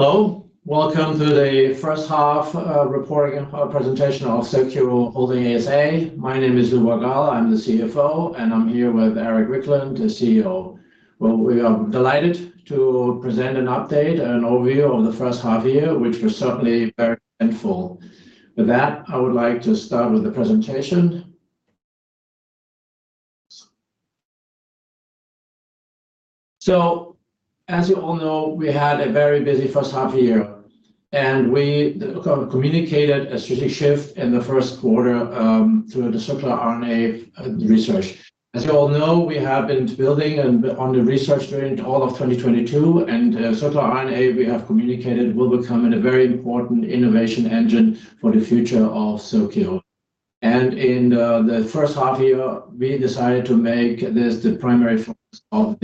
Hello, welcome to the first half reporting presentation of Circio Holding ASA. My name is Lubor Gaal, I'm the CFO, and I'm here with Erik Wiklund, the CEO. Well, we are delighted to present an update and an overview of the first half year, which was certainly very eventful. With that, I would like to start with the presentation. So as you all know, we had a very busy first half year, and we communicated a strategic shift in the first quarter through the circular RNA research. As you all know, we have been building on the research during all of 2022, and circular RNA, we have communicated, will become a very important innovation engine for the future of Circio. In the first half year, we decided to make this the primary focus of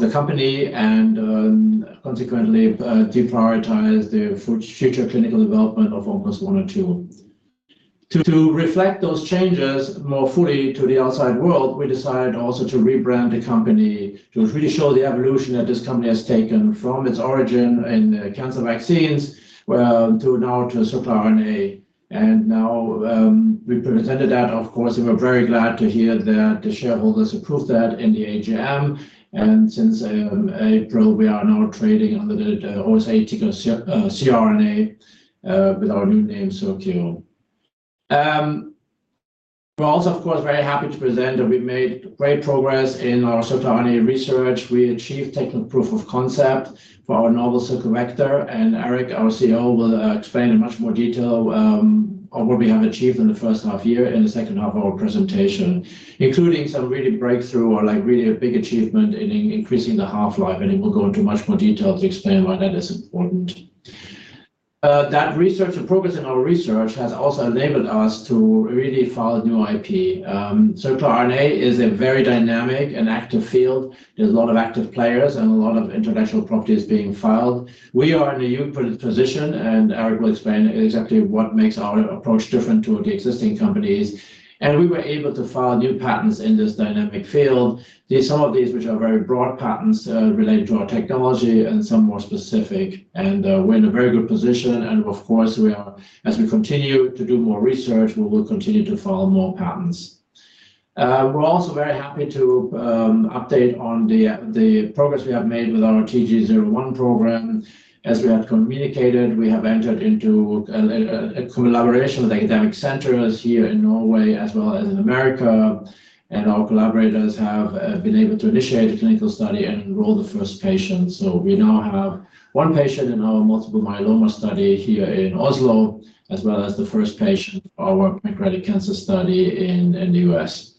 the company and consequently deprioritize the future clinical development of TG01 and TG02. To reflect those changes more fully to the outside world, we decided also to rebrand the company, to really show the evolution that this company has taken from its origin in cancer vaccines, well, to now to circular RNA. Now, we presented that, of course, and we're very glad to hear that the shareholders approved that in the AGM. Since April, we are now trading under the Oslo ticker, CRNA, with our new name, Circio. We're also, of course, very happy to present that we've made great progress in our circular RNA research. We achieved technical proof of concept for our novel circular vector, and Erik, our CEO, will explain in much more detail on what we have achieved in the first half year, in the second half of our presentation, including some really breakthrough or like really a big achievement in increasing the half-life, and he will go into much more detail to explain why that is important. That research and progress in our research has also enabled us to really file new IP. Circular RNA is a very dynamic and active field. There's a lot of active players and a lot of intellectual properties being filed. We are in a unique position, and Erik will explain exactly what makes our approach different to the existing companies. We were able to file new patents in this dynamic field. There are some of these which are very broad patents related to our technology and some more specific, and we're in a very good position. Of course, as we continue to do more research, we will continue to file more patents. We're also very happy to update on the progress we have made with our TG01 program. As we have communicated, we have entered into a collaboration with academic centers here in Norway as well as in America, and our collaborators have been able to initiate a clinical study and enroll the first patient. So we now have one patient in our multiple myeloma study here in Oslo, as well as the first patient for our pancreatic cancer study in the U.S.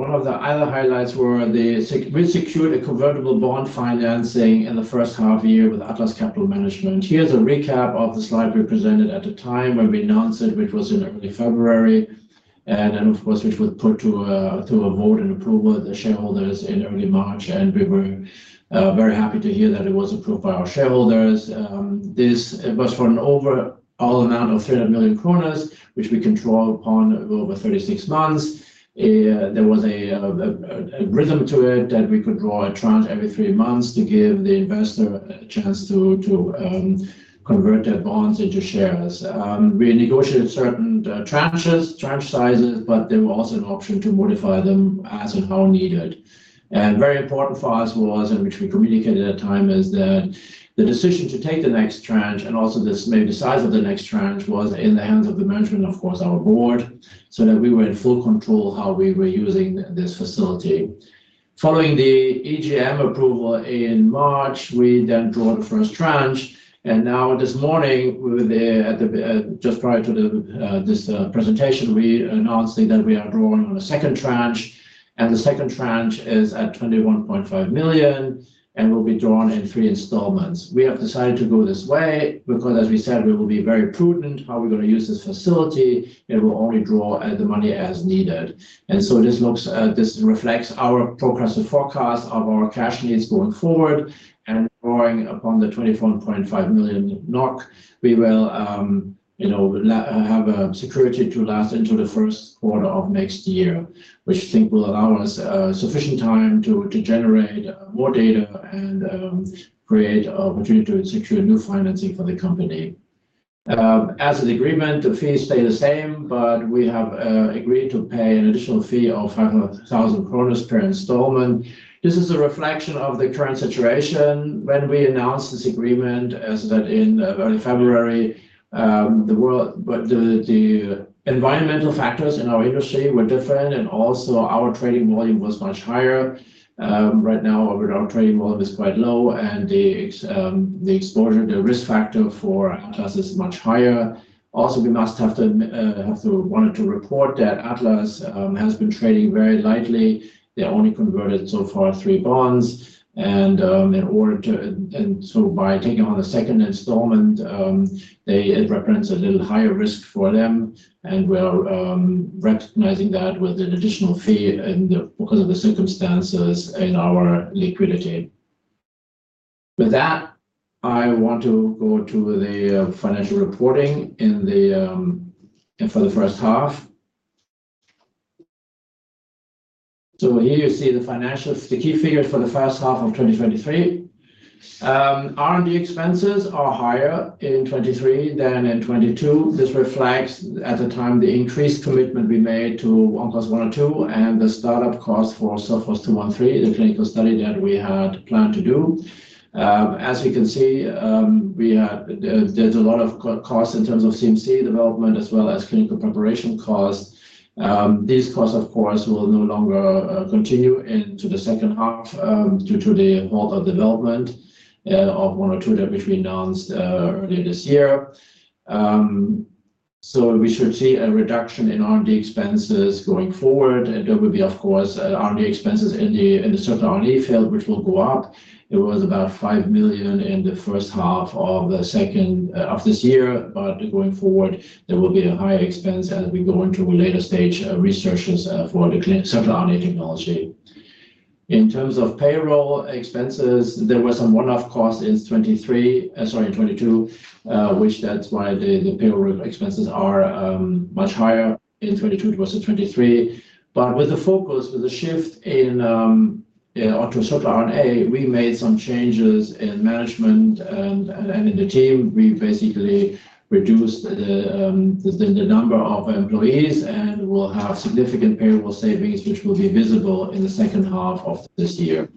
One of the other highlights were the sec. We secured a convertible bond financing in the first half year with Atlas Capital Management. Here's a recap of the slide we presented at the time when we announced it, which was in early February, and then, of course, which was put to a vote and approval of the shareholders in early March, and we were very happy to hear that it was approved by our shareholders. This was for an overall amount of 3 million kroner, which we can draw upon over 36 months. There was a rhythm to it that we could draw a tranche every three months to give the investor a chance to convert the bonds into shares. We negotiated certain tranches, tranche sizes, but there was also an option to modify them as and how needed. Very important for us was, and which we communicated at the time, is that the decision to take the next tranche, and also this, maybe the size of the next tranche, was in the hands of the management, of course, our board, so that we were in full control how we were using this facility. Following the EGM approval in March, we then drawn the first tranche, and now this morning, just prior to this presentation, we announced that we are drawing on a second tranche, and the second tranche is 21.5 million and will be drawn in three installments. We have decided to go this way because, as we said, we will be very prudent how we're going to use this facility, and we'll only draw the money as needed. This looks, this reflects our progressive forecast of our cash needs going forward and drawing upon the 21.5 million NOK. We will, you know, have a security to last into the first quarter of next year, which I think will allow us, sufficient time to generate more data and create an opportunity to secure new financing for the company. As an agreement, the fees stay the same, but we have agreed to pay an additional fee of 500,000 per installment. This is a reflection of the current situation. When we announced this agreement, as that in early February, the environmental factors in our industry were different, and also our trading volume was much higher. Right now, our trading volume is quite low, and the exposure, the risk factor for Atlas is much higher. Also, we wanted to report that Atlas has been trading very lightly. They only converted so far three bonds, and in order to... And so by taking on the second installment, it represents a little higher risk for them, and we are recognizing that with an additional fee and because of the circumstances in our liquidity... With that, I want to go to the financial reporting for the first half. So here you see the financials, the key figures for the first half of 2023. R&D expenses are higher in 2023 than in 2022. This reflects, at the time, the increased commitment we made to ONCOS-102, and the startup cost for SOT102, the clinical study that we had planned to do. As you can see, we had, there's a lot of CRO costs in terms of CMC development as well as clinical preparation costs. These costs, of course, will no longer continue into the second half, due to the halt of development of 102 that which we announced earlier this year. So we should see a reduction in R&D expenses going forward, and there will be, of course, R&D expenses in the circular RNA field, which will go up. It was about 5 million in the first half of the second of this year, but going forward, there will be a higher expense as we go into later stage researches for the circular RNA technology. In terms of payroll expenses, there was some one-off costs in 2023, sorry, in 2022, which that's why the payroll expenses are much higher in 2022 towards 2023. But with the focus, with the shift onto circular RNA, we made some changes in management and in the team. We basically reduced the number of employees and will have significant payroll savings, which will be visible in the second half of this year.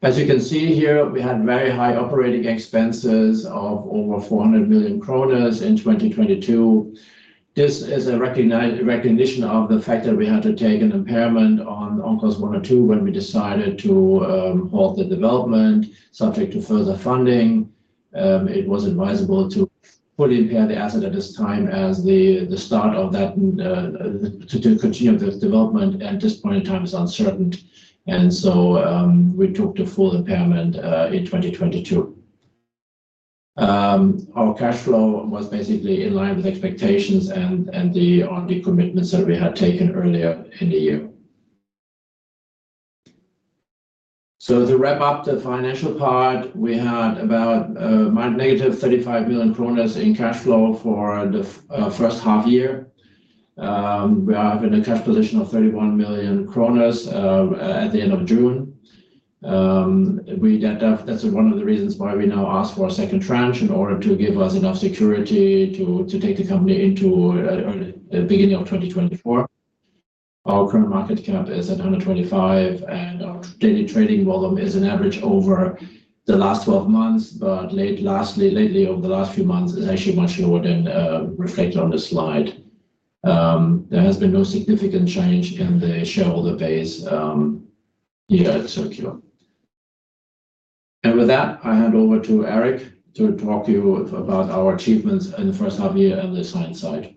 As you can see here, we had very high operating expenses of over 400 million kroner in 2022.` This is a recognition of the fact that we had to take an impairment on ONCOS-102 when we decided to halt the development, subject to further funding. It was advisable to fully impair the asset at this time as the start of that to continue the development at this point in time is uncertain, and so we took the full impairment in 2022. Our cash flow was basically in line with expectations and the R&D commitments that we had taken earlier in the year. So to wrap up the financial part, we had about negative 35 million kroner in cash flow for the first half year. We are in a cash position of 31 million kroner at the end of June. That's one of the reasons why we now ask for a second tranche in order to give us enough security to take the company into early, the beginning of 2024. Our current market cap is at 125 million, and our daily trading volume is an average over the last 12 months, but lately, over the last few months, is actually much lower than reflected on the slide. There has been no significant change in the shareholder base here at Circio. And with that, I hand over to Erik to talk to you about our achievements in the first half year on the science side.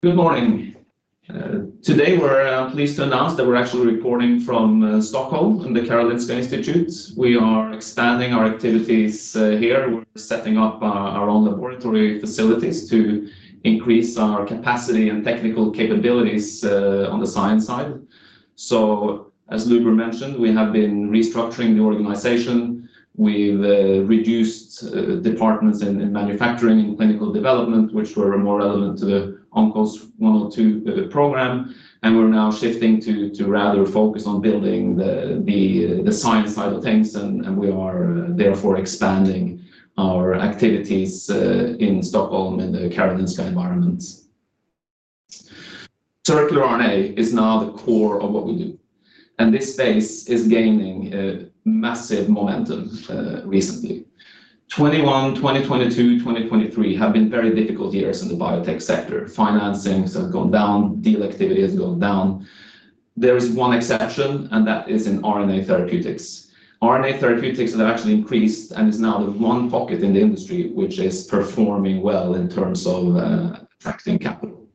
Good morning. Today, we're pleased to announce that we're actually reporting from Stockholm in the Karolinska Institute. We are expanding our activities here. We're setting up our own laboratory facilities to increase our capacity and technical capabilities on the science side. So as Lubor mentioned, we have been restructuring the organization. We've reduced departments in manufacturing and clinical development, which were more relevant to the ONCOS-102 program, and we're now shifting to rather focus on building the science side of things, and we are therefore expanding our activities in Stockholm, in the Karolinska environment. Circular RNA is now the core of what we do, and this space is gaining massive momentum recently. 2021, 2022, 2023 have been very difficult years in the biotech sector. Financings have gone down, deal activity has gone down. There is one exception, and that is in RNA therapeutics. RNA therapeutics have actually increased and is now the one pocket in the industry which is performing well in terms of attracting capital.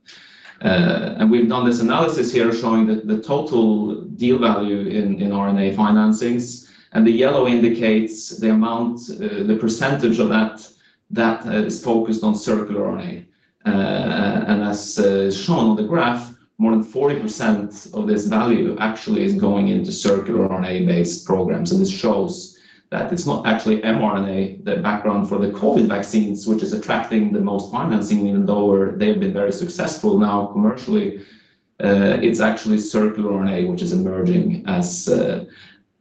And we've done this analysis here showing that the total deal value in RNA financings, and the yellow indicates the amount, the percentage of that that is focused on circular RNA. And as shown on the graph, more than 40% of this value actually is going into circular RNA-based programs. And this shows that it's not actually mRNA, the background for the COVID vaccines, which is attracting the most financing, even though they've been very successful now commercially. It's actually circular RNA, which is emerging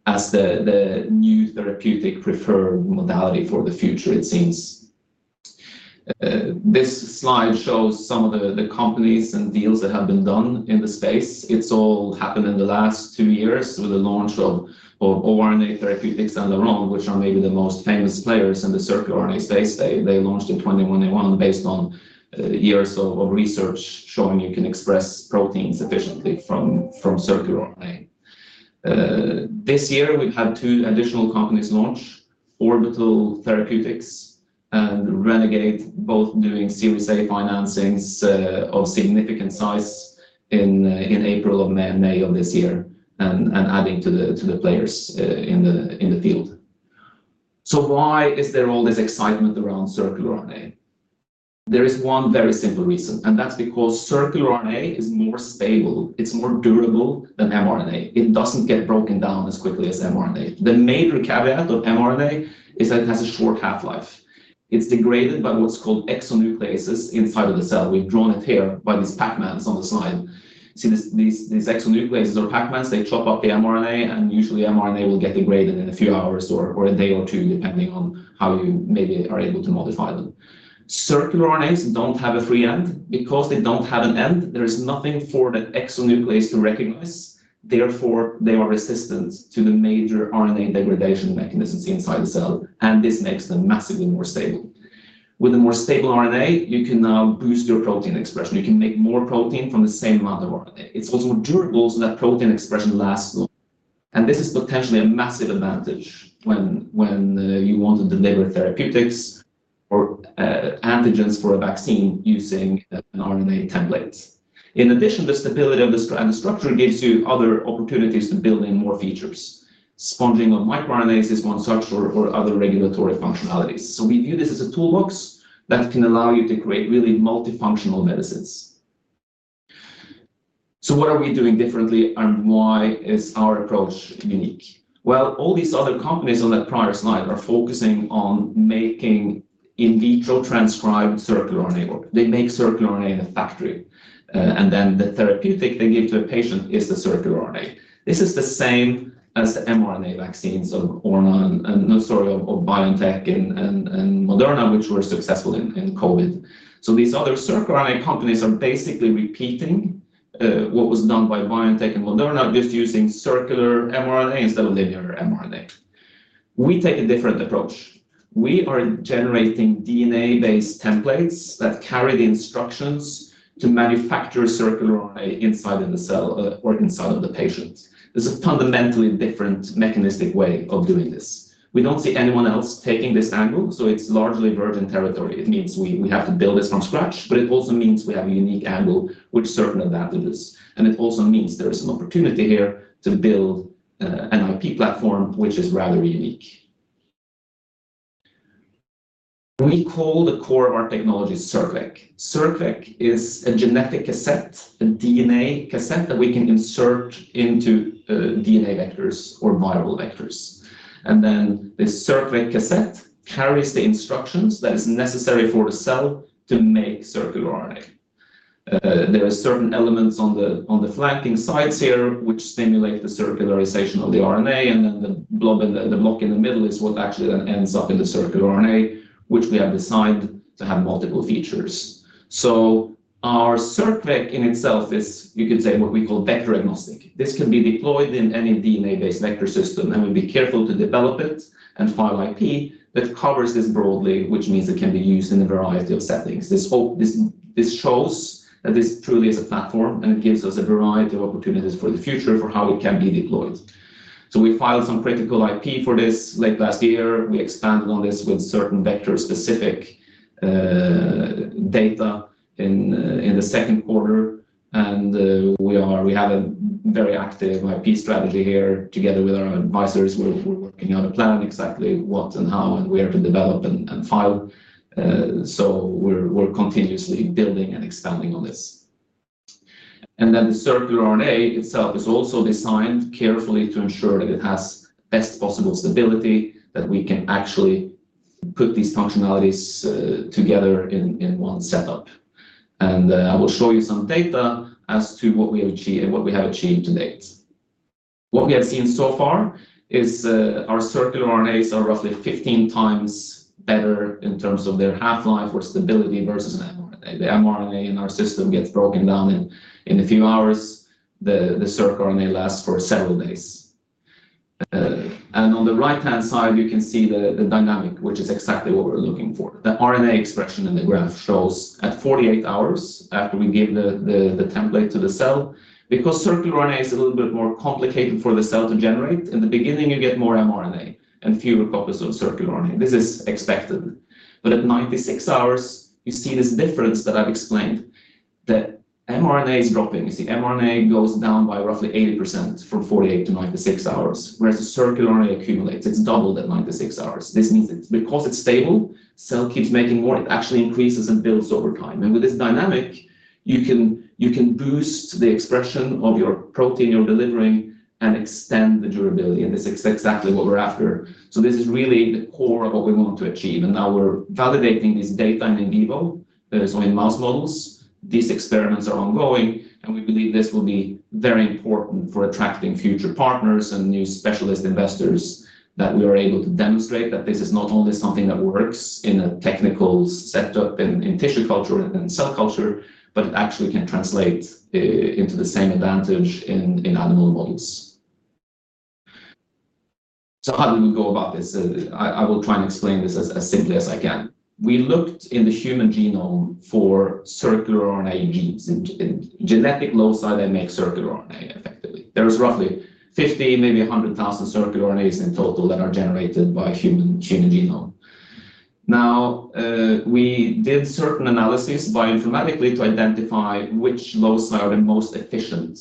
as the new therapeutic preferred modality for the future, it seems. This slide shows some of the companies and deals that have been done in the space. It's all happened in the last two years with the launch of RNA therapeutics and Laronde, which are maybe the most famous players in the circular RNA space. They launched in 2021 based on years of research showing you can express proteins efficiently from circular RNA. This year, we've had two additional companies launch, Orbital Therapeutics and Renegade, both doing Series A financings of significant size in April and May of this year and adding to the players in the field. So why is there all this excitement around circular RNA? There is one very simple reason, and that's because circular RNA is more stable. It's more durable than mRNA. It doesn't get broken down as quickly as mRNA. The major caveat of mRNA is that it has a short half-life. It's degraded by what's called exonucleases inside of the cell. We've drawn it here by these Pac-Mans on the side. See these, these, these exonucleases or Pac-Mans, they chop up the mRNA, and usually mRNA will get degraded in a few hours or, or a day or two, depending on how you maybe are able to modify them. Circular RNAs don't have a free end. Because they don't have an end, there is nothing for that exonuclease to recognize, therefore, they are resistant to the major RNA degradation mechanisms inside the cell, and this makes them massively more stable. With a more stable RNA, you can now boost your protein expression. You can make more protein from the same amount of RNA. It's also more durable, so that protein expression lasts long. And this is potentially a massive advantage when you want to deliver therapeutics or antigens for a vaccine using an RNA template. In addition, the stability and the structure gives you other opportunities to build in more features. Spongeing on microRNAs is one such or other regulatory functionalities. So we view this as a toolbox that can allow you to create really multifunctional medicines. So what are we doing differently and why is our approach unique? Well, all these other companies on that prior slide are focusing on making in vitro transcribed circular RNA, or they make circular RNA in a factory, and then the therapeutic they give to a patient is the circular RNA. This is not the same as the mRNA vaccines of BioNTech and Moderna, which were successful in COVID. So these other circular RNA companies are basically repeating what was done by BioNTech and Moderna, just using circular mRNA instead of linear mRNA. We take a different approach. We are generating DNA-based templates that carry the instructions to manufacture circular RNA inside the cell or inside of the patient. This is a fundamentally different mechanistic way of doing this. We don't see anyone else taking this angle, so it's largely virgin territory. It means we have to build this from scratch, but it also means we have a unique angle with certain advantages. And it also means there is an opportunity here to build an IP platform, which is rather unique. We call the core of our technology circVec. circVec is a genetic cassette, a DNA cassette that we can insert into DNA vectors or viral vectors. And then this circVec cassette carries the instructions that is necessary for the cell to make circular RNA. There are certain elements on the, on the flanking sides here, which stimulate the circularization of the RNA, and then the block in the middle is what actually then ends up in the circular RNA, which we have designed to have multiple features. So our circVec in itself is, you could say, what we call vector agnostic. This can be deployed in any DNA-based vector system, and we'll be careful to develop it and file IP that covers this broadly, which means it can be used in a variety of settings. This shows that this truly is a platform, and it gives us a variety of opportunities for the future for how it can be deployed. So we filed some critical IP for this late last year. We expanded on this with certain vector-specific data in the second quarter, and we have a very active IP strategy here. Together with our own advisors, we're working on a plan, exactly what and how and where to develop and file. So we're continuously building and expanding on this. And then the circular RNA itself is also designed carefully to ensure that it has best possible stability, that we can actually put these functionalities together in one setup. And I will show you some data as to what we have achieved to date. What we have seen so far is, our circular RNAs are roughly 15x better in terms of their half-life or stability versus mRNA. The mRNA in our system gets broken down in a few hours. The circRNA lasts for several days. And on the right-hand side, you can see the dynamic, which is exactly what we're looking for. The RNA expression in the graph shows at 48 hours after we give the template to the cell. Because circular RNA is a little bit more complicated for the cell to generate, in the beginning, you get more mRNA and fewer copies of circular RNA. This is expected. But at 96 hours, you see this difference that I've explained. The mRNA is dropping. You see, mRNA goes down by roughly 80% from 48 to 96 hours, whereas the circular RNA accumulates. It's doubled at 96 hours. This means it's because it's stable, cell keeps making more. It actually increases and builds over time. And with this dynamic, you can boost the expression of your protein you're delivering and extend the durability, and this is exactly what we're after. So this is really the core of what we want to achieve, and now we're validating this data in vivo. So in mouse models, these experiments are ongoing, and we believe this will be very important for attracting future partners and new specialist investors, that we are able to demonstrate that this is not only something that works in a technical setup, in tissue culture and cell culture, but it actually can translate into the same advantage in animal models. So how do we go about this? I will try and explain this as simply as I can. We looked in the human genome for circular RNA genes, in genetic loci that make circular RNA effectively. There is roughly 50, maybe 100,000 circular RNAs in total that are generated by human genome. Now, we did certain analysis bioinformatically to identify which loci are the most efficient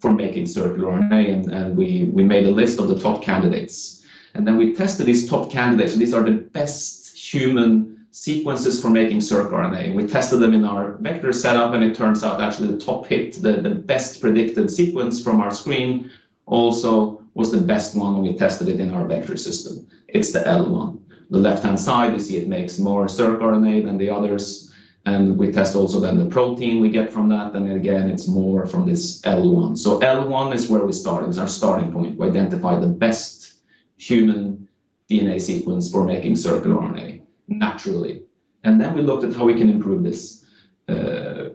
for making circular RNA, and we made a list of the top candidates, and then we tested these top candidates. These are the best human sequences for making circular RNA, and we tested them in our vector setup, and it turns out actually the top hit, the best predicted sequence from our screen also was the best one when we tested it in our vector system. It's the L1. The left-hand side, you see it makes more circular RNA than the others, and we test also then the protein we get from that, and again, it's more from this L1. So L1 is where we started. It's our starting point. We identify the best human DNA sequence for making circular RNA naturally, and then we looked at how we can improve this.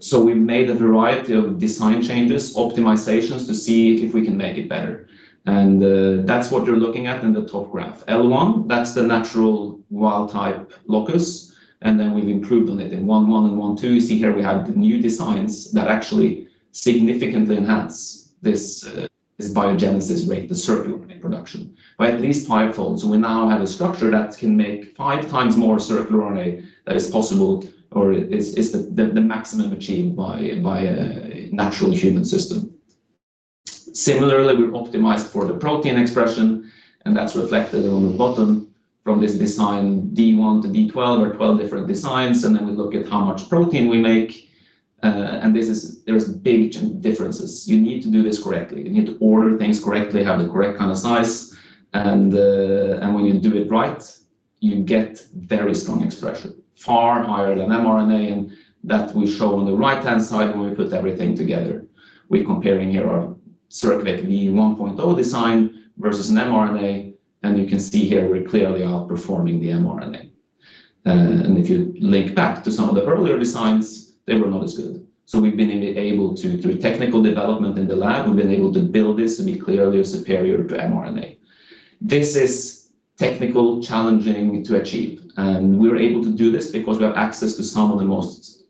So we made a variety of design changes, optimizations to see if we can make it better, and that's what you're looking at in the top graph. L1, that's the natural wild-type locus, and then we've improved on it in 1.1 and 1.2. You see here we have the new designs that actually significantly enhance this, this biogenesis rate, the circular RNA production, by at least fivefold. So we now have a structure that can make 5 times more circular RNA that is possible or is the maximum achieved by a natural human system. Similarly, we optimized for the protein expression, and that's reflected on the bottom from this design D1 to D12 or 12 different designs, and then we look at how much protein we make, and this is, there is big differences. You need to do this correctly. You need to order things correctly, have the correct kind of size, and, and when you do it right, you get very strong expression, far higher than mRNA, and that we show on the right-hand side when we put everything together. We're comparing here our circVec v1.0 design versus an mRNA, and you can see here we clearly are outperforming the mRNA. And if you link back to some of the earlier designs, they were not as good. So we've been able to, through technical development in the lab, we've been able to build this to be clearly superior to mRNA. This is technically challenging to achieve, and we were able to do this because we have access to some of the most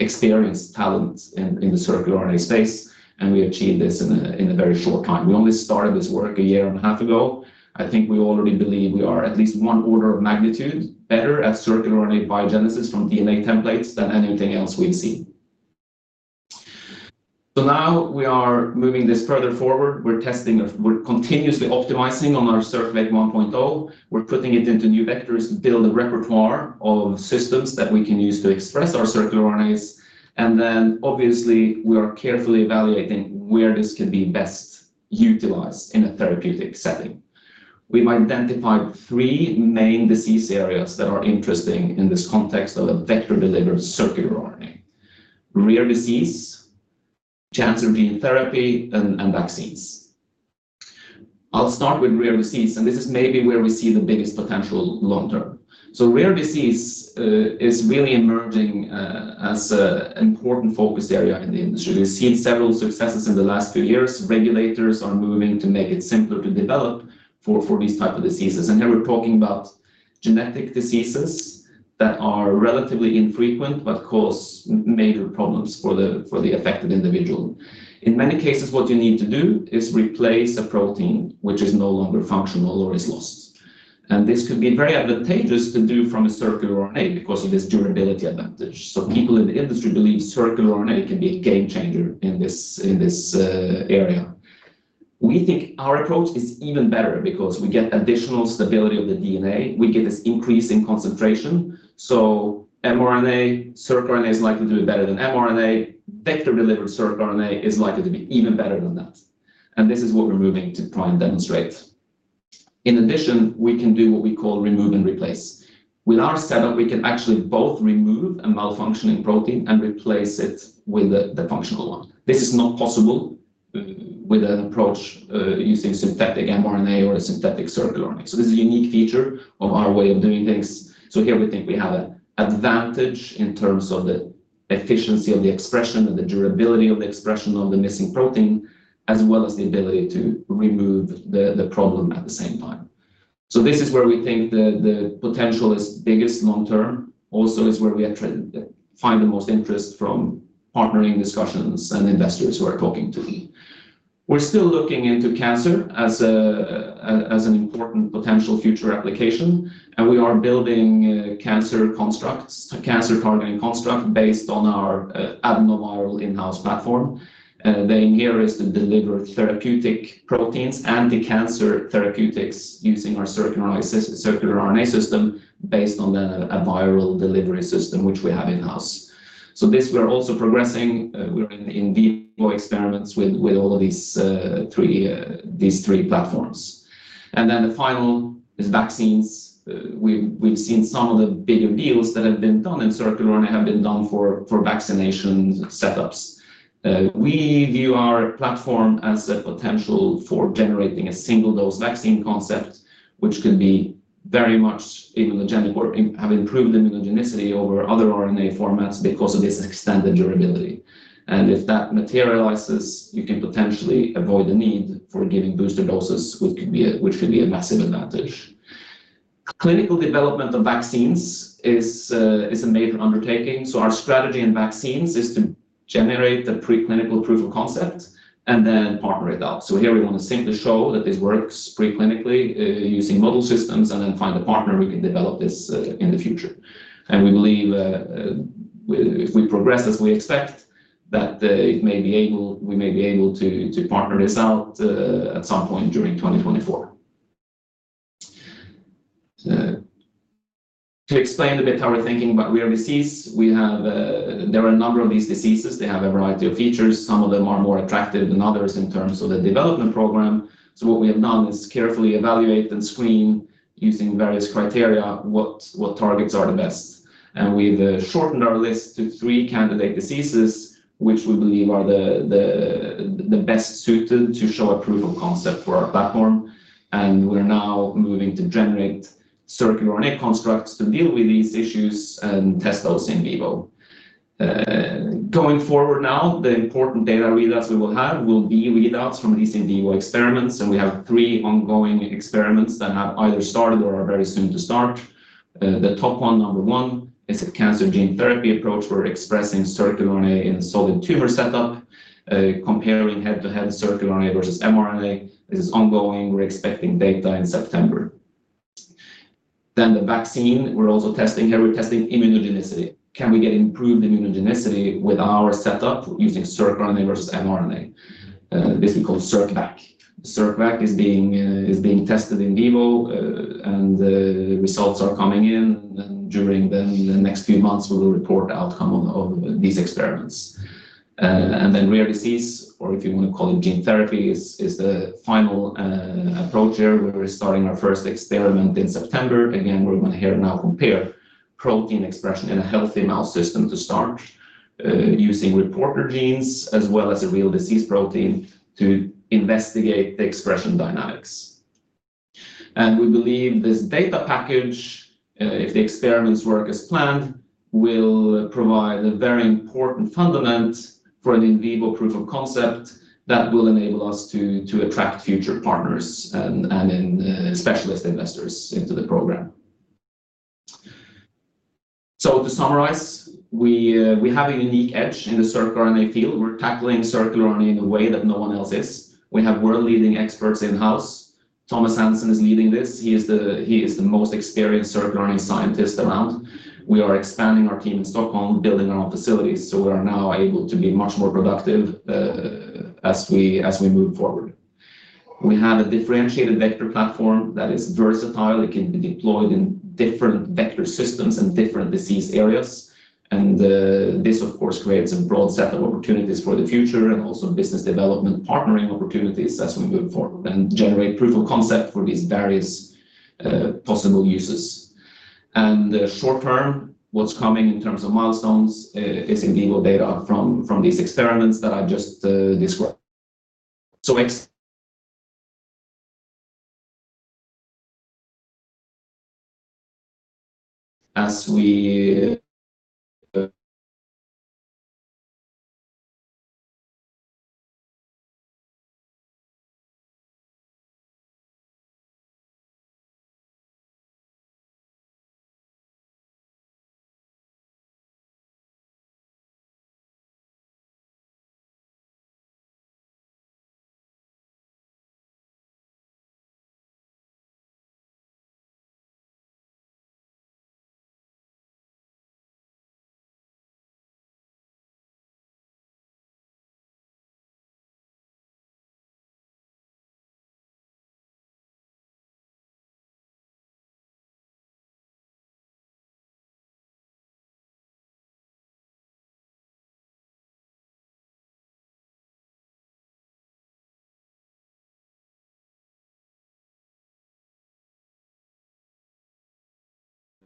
experienced talents in the circular RNA space, and we achieved this in a very short time. We only started this work a year and a half ago. I think we already believe we are at least one order of magnitude better at circular RNA biogenesis from DNA templates than anything else we've seen. So now we are moving this further forward. We're testing it, we're continuously optimizing on our circVac 1.0. We're putting it into new vectors to build a repertoire of systems that we can use to express our circular RNAs, and then obviously, we are carefully evaluating where this can be best utilized in a therapeutic setting. We've identified three main disease areas that are interesting in this context of a vector-delivered circular RNA: rare disease, cancer gene therapy, and vaccines. I'll start with rare disease, and this is maybe where we see the biggest potential long term. So rare disease is really emerging as an important focus area in the industry. We've seen several successes in the last few years. Regulators are moving to make it simpler to develop for these type of diseases, and here we're talking about genetic diseases that are relatively infrequent but cause major problems for the affected individual. In many cases, what you need to do is replace a protein which is no longer functional or is lost, and this could be very advantageous to do from a circular RNA because of this durability advantage. So people in the industry believe circular RNA can be a game changer in this, in this, area. We think our approach is even better because we get additional stability of the DNA, we get this increase in concentration. So mRNA, circular RNA is likely to do it better than mRNA. Vector-delivered circular RNA is likely to be even better than that, and this is what we're moving to try and demonstrate. In addition, we can do what we call remove and replace. With our setup, we can actually both remove a malfunctioning protein and replace it with the functional one. This is not possible with an approach using synthetic mRNA or a synthetic circular RNA. So this is a unique feature of our way of doing things. So here we think we have an advantage in terms of the efficiency of the expression and the durability of the expression of the missing protein, as well as the ability to remove the problem at the same time. So this is where we think the potential is biggest long term, also is where we find the most interest from partnering discussions and investors who are talking to me. We're still looking into cancer as an important potential future application, and we are building cancer constructs, a cancer targeting construct based on our adenoviral in-house platform. The aim here is to deliver therapeutic proteins and the cancer therapeutics using our circular RNA system based on a viral delivery system, which we have in-house. So this, we are also progressing. We're in vivo experiments with all of these three these three platforms. Then the final is vaccines. We've seen some of the bigger deals that have been done in circular RNA have been done for vaccination setups. We view our platform as a potential for generating a single dose vaccine concept, which can be very much immunogenic or have improved immunogenicity over other RNA formats because of this extended durability. And if that materializes, you can potentially avoid the need for giving booster doses, which could be a massive advantage. Clinical development of vaccines is a major undertaking, so our strategy in vaccines is to generate the preclinical proof of concept and then partner it out. So here we want to simply show that this works preclinically, using model systems and then find a partner who can develop this, in the future. And we believe, if we progress as we expect, that it may be able, we may be able to partner this out, at some point during 2024. To explain a bit how we're thinking about rare disease, there are a number of these diseases. They have a variety of features. Some of them are more attractive than others in terms of the development program. So what we have done is carefully evaluate and screen using various criteria, what targets are the best. We've shortened our list to three candidate diseases, which we believe are the best suited to show a proof of concept for our platform. We're now moving to generate circRNA constructs to deal with these issues and test those in vivo. Going forward now, the important data readouts we will have will be readouts from these in vivo experiments, and we have three ongoing experiments that have either started or are very soon to start. The top one, number one, is a cancer gene therapy approach. We're expressing circRNA in solid tumor setup, comparing head-to-head circRNA versus mRNA. This is ongoing. We're expecting data in September. Then the vaccine, we're also testing here, we're testing immunogenicity. Can we get improved immunogenicity with our setup using circRNA versus mRNA? This we call circVac. circVac is being tested in vivo, and the results are coming in. During the next few months, we will report the outcome of these experiments. And then rare disease, or if you want to call it gene therapy, is the final approach here. We're starting our first experiment in September. Again, we're going to compare protein expression in a healthy mouse system to start, using reporter genes as well as a real disease protein to investigate the expression dynamics. And we believe this data package, if the experiments work as planned, will provide a very important foundation for an in vivo proof of concept that will enable us to attract future partners and then specialist investors into the program. So to summarize, we have a unique edge in the circRNA field. We're tackling circRNA in a way that no one else is. We have world-leading experts in-house. Thomas Hansen is leading this. He is the most experienced circRNA scientist around. We are expanding our team in Stockholm, building our own facilities, so we are now able to be much more productive as we move forward. We have a differentiated vector platform that is versatile. It can be deployed in different vector systems and different disease areas, and this of course creates a broad set of opportunities for the future and also business development, partnering opportunities as we move forward and generate proof of concept for these various possible uses. And short term, what's coming in terms of milestones is in vivo data from these experiments that I've just described. So as we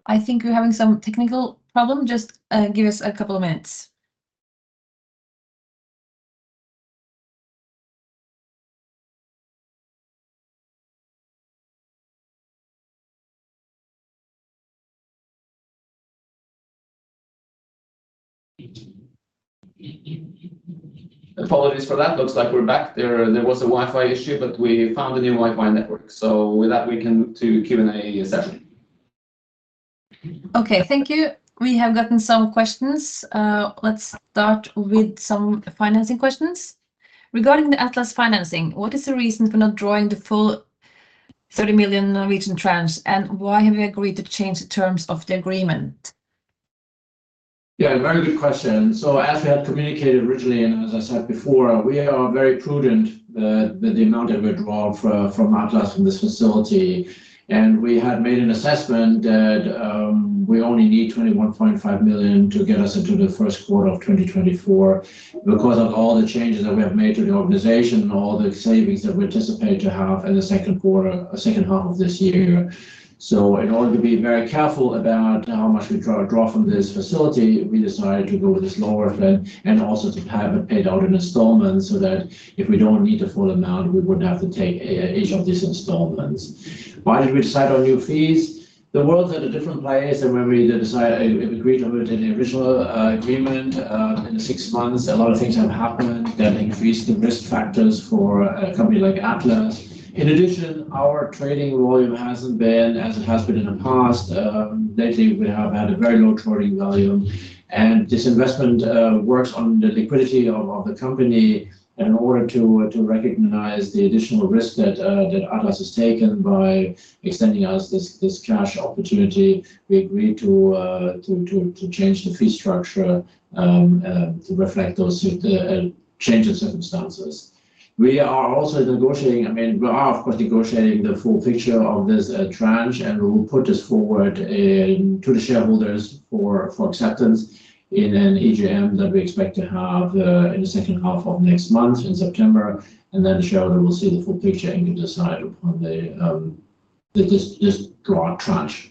I think we're having some technical problem. Just, give us a couple of minutes. Apologies for that. Looks like we're back. There, there was a Wi-Fi issue, but we found a new Wi-Fi network, so with that, we can do Q&A session. Okay, thank you. We have gotten some questions. Let's start with some financing questions. Regarding the Atlas financing, what is the reason for not drawing the full 30 million tranche, and why have you agreed to change the terms of the agreement? Yeah, very good question. As we had communicated originally, and as I said before, we are very prudent with the amount that we draw from Atlas from this facility. We had made an assessment that we only need 21.5 million to get us into the first quarter of 2024. Because of all the changes that we have made to the organization and all the savings that we anticipate to have in the second quarter, second half of this year. In order to be very careful about how much we draw from this facility, we decided to go with a slower plan and also to have it paid out in installments, so that if we don't need the full amount, we wouldn't have to take each of these installments. Why did we decide on new fees? The world's at a different place than when we decided, agreed on the original agreement in the six months, a lot of things have happened that increased the risk factors for a company like Atlas. In addition, our trading volume hasn't been as it has been in the past. Lately, we have had a very low trading volume, and this investment works on the liquidity of the company in order to recognize the additional risk that Atlas has taken by extending us this cash opportunity. We agreed to change the fee structure to reflect those change in circumstances. We are also negotiating, I mean, we are, of course, negotiating the full picture of this tranche, and we will put this forward into the shareholders for acceptance in an EGM that we expect to have in the second half of next month, in September. And then the shareholder will see the full picture and decide upon this draw tranche.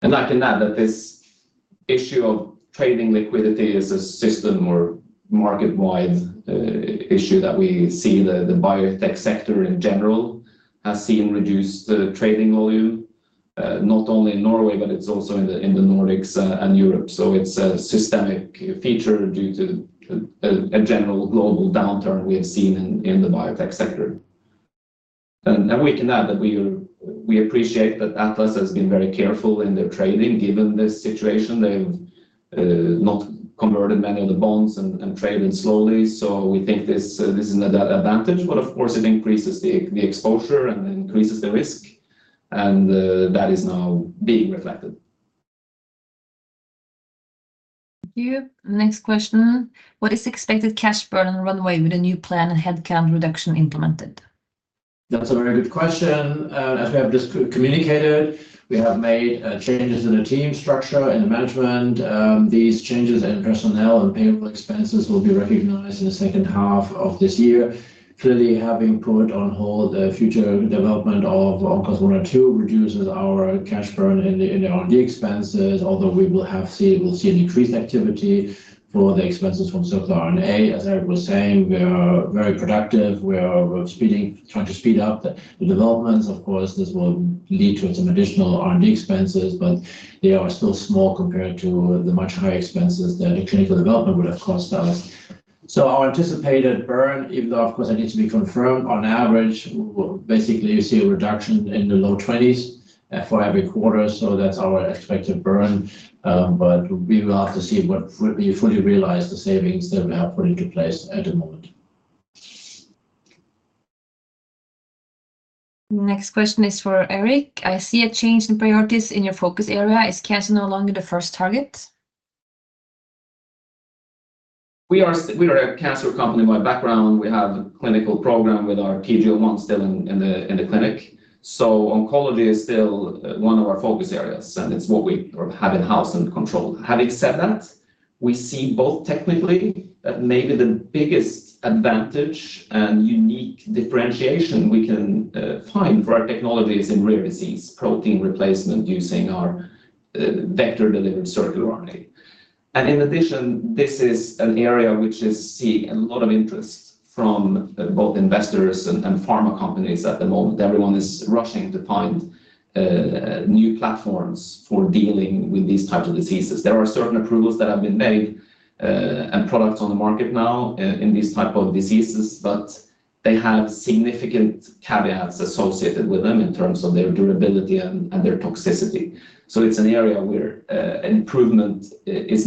And I can add that this issue of trading liquidity is a system or market-wide issue that we see. The biotech sector in general has seen reduced trading volume, not only in Norway, but it's also in the Nordics and Europe. So it's a systemic feature due to a general global downturn we have seen in the biotech sector. And we can add that we appreciate that Atlas has been very careful in their trading, given this situation. They've not converted many of the bonds and traded slowly. So we think this is an advantage, but of course, it increases the exposure and increases the risk, and that is now being reflected. Thank you. Next question: What is the expected cash burn and runway with the new plan and headcount reduction implemented? That's a very good question. As we have just communicated, we have made changes in the team structure and the management. These changes in personnel and payable expenses will be recognized in the second half of this year. Clearly, having put on hold a future development of Oncos one and two reduces our cash burn in the R&D expenses. Although we'll see an increased activity for the expenses from circular RNA. As Erik was saying, we are very productive, we are speeding, trying to speed up the developments. Of course, this will lead to some additional R&D expenses, but they are still small compared to the much higher expenses that the clinical development would have cost us. So our anticipated burn, even though, of course, it needs to be confirmed, on average, we'll basically see a reduction in the low twenties for every quarter. So that's our expected burn. But we will have to see what we fully realize the savings that we have put into place at the moment. Next question is for Erik. I see a change in priorities in your focus area. Is cancer no longer the first target? We are a cancer company by background. We have a clinical program with our TG01 still in the clinic. So oncology is still one of our focus areas, and it's what we have in-house and control. Having said that, we see both technically, that maybe the biggest advantage and unique differentiation we can find for our technology is in rare disease, protein replacement, using our vector-delivered circular RNA. And in addition, this is an area which is seeing a lot of interest from both investors and pharma companies at the moment. Everyone is rushing to find new platforms for dealing with these types of diseases. There are certain approvals that have been made, and products on the market now in these type of diseases, but they have significant caveats associated with them in terms of their durability and their toxicity. So it's an area where an improvement is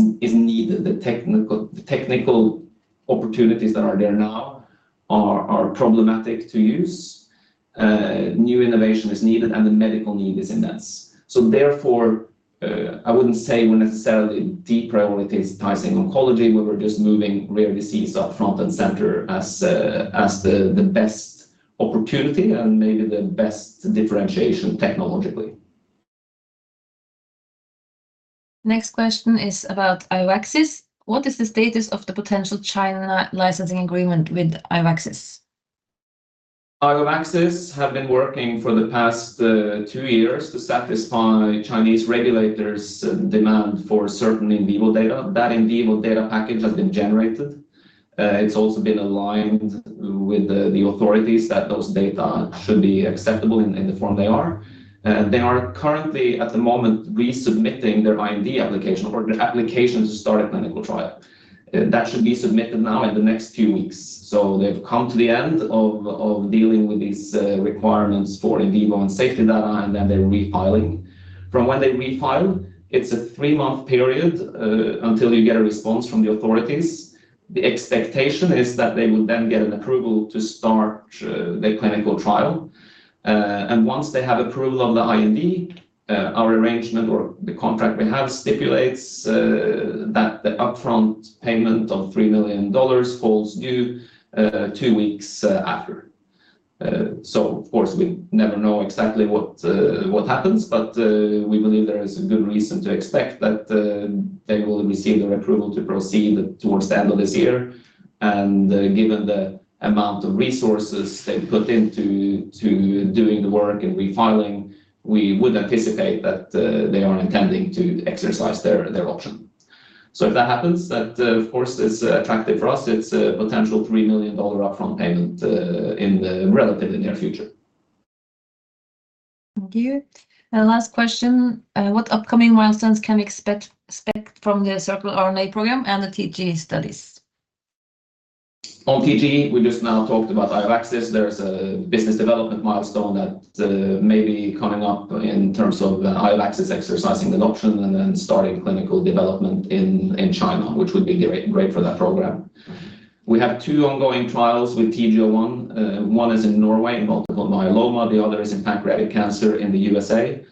needed. The technical opportunities that are there now are problematic to use. New innovation is needed, and the medical need is immense. So therefore, I wouldn't say we're necessarily de-prioritizing oncology. We were just moving rare disease up front and center as the best opportunity and maybe the best differentiation technologically. Next question is about IOVaxis. What is the status of the potential China licensing agreement with IOVaxis? IOVaxis have been working for the past two years to satisfy Chinese regulators' demand for certain in vivo data. That in vivo data package has been generated. It's also been aligned with the authorities that those data should be acceptable in the form they are. They are currently, at the moment, resubmitting their IND application or the application to start a clinical trial. That should be submitted now in the next few weeks. So they've come to the end of dealing with these requirements for in vivo and safety data, and then they're refiling. From when they refile, it's a three-month period until you get a response from the authorities. The expectation is that they will then get an approval to start the clinical trial. Once they have approval of the IND, our arrangement or the contract we have stipulates that the upfront payment of $3 million falls due two weeks after. Of course, we never know exactly what happens, but we believe there is a good reason to expect that they will receive their approval to proceed towards the end of this year. Given the amount of resources they've put into doing the work and refiling, we would anticipate that they are intending to exercise their option. If that happens, that of course is attractive for us. It's a potential $3 million upfront payment in the relatively near future. Thank you. And last question, what upcoming milestones can we expect from the circular RNA program and the TG studies? On TG, we just now talked about IOVaxis. There's a business development milestone that may be coming up in terms of IOVaxis exercising an option and then starting clinical development in China, which would be great, great for that program. We have two ongoing trials with TG01. One is in Norway, in multiple myeloma, the other is in pancreatic cancer in the USA.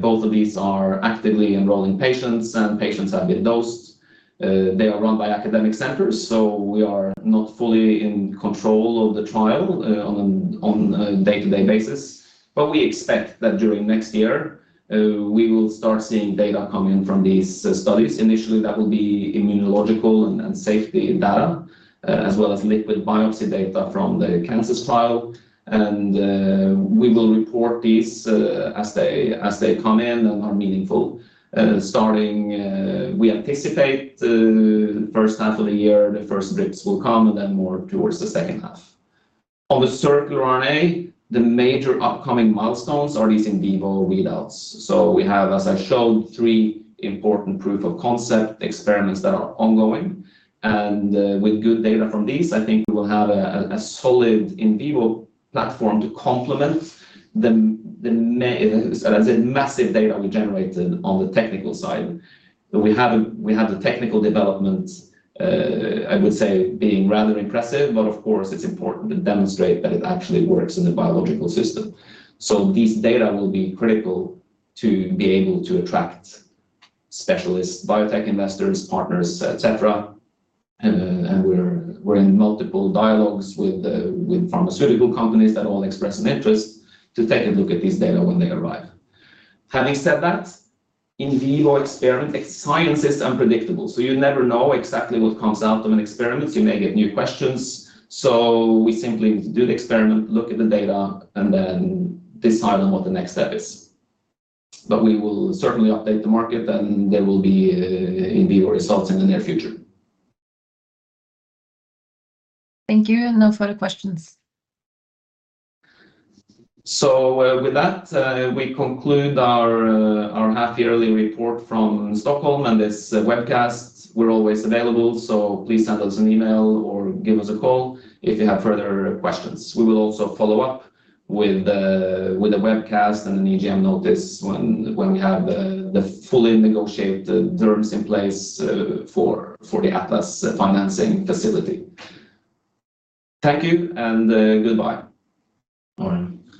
Both of these are actively enrolling patients, and patients have been dosed. They are run by academic centers, so we are not fully in control of the trial on a day-to-day basis. But we expect that during next year, we will start seeing data coming in from these studies. Initially, that will be immunological and safety data, as well as liquid biopsy data from the cancer trial. We will report these as they come in and are meaningful. Starting, we anticipate the first half of the year, the first bits will come, and then more towards the second half. On the circular RNA, the major upcoming milestones are these in vivo readouts. So we have, as I showed, three important proof of concept experiments that are ongoing, and with good data from these, I think we will have a solid in vivo platform to complement the massive data we generated on the technical side. We have the technical development, I would say, being rather impressive, but of course, it's important to demonstrate that it actually works in the biological system. So this data will be critical to be able to attract specialists, biotech investors, partners, et cetera. And we're in multiple dialogues with pharmaceutical companies that all express an interest to take a look at this data when they arrive. Having said that, in vivo experiment, science is unpredictable, so you never know exactly what comes out of an experiment. You may get new questions, so we simply do the experiment, look at the data, and then decide on what the next step is. But we will certainly update the market, and there will be in vivo results in the near future. Thank you. No further questions. So, with that, we conclude our half-yearly report from Stockholm and this webcast. We're always available, so please send us an email or give us a call if you have further questions. We will also follow up with the webcast and an AGM notice when we have the fully negotiated terms in place, for the Atlas financing facility. Thank you, and goodbye. Bye.